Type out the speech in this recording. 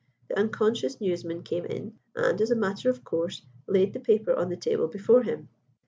The unconscious newsman came in, and, as a matter of course, laid the paper on the table before him.